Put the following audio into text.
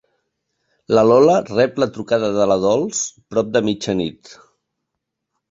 La Lola rep la trucada de la Dols, prop de mitjanit.